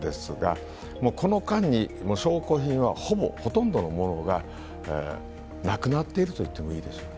この間に証拠品はほとんどのものがなくなっているといってもいいでしょう。